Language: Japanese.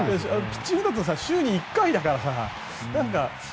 ピッチングだと週に１回だからさ。